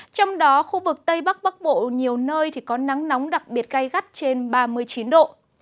trong đó khu vực tây bắc bắc bộ nhiều nơi có nắng nóng đặc biệt gai gắt trên ba mươi chín độ